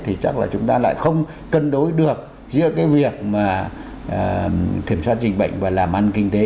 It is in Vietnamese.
thì chắc là chúng ta lại không cân đối được giữa cái việc mà kiểm soát dịch bệnh và làm ăn kinh tế